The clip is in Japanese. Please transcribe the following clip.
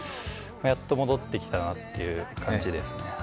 やっと戻ってきたなという感じですね。